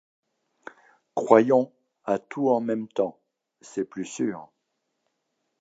Croyons à tout en même temps : c’est plus sûr.